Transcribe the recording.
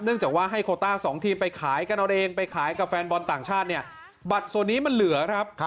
จากว่าให้โคต้า๒ทีมไปขายกันเอาเองไปขายกับแฟนบอลต่างชาติเนี่ยบัตรส่วนนี้มันเหลือครับ